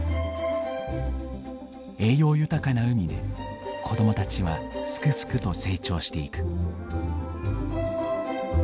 栄養豊かな海で子供たちはすくすくと成長していく。